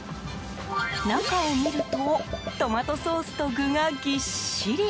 中を見るとトマトソースと具がぎっしり！